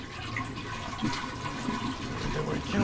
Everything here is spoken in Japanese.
それでも生きろ！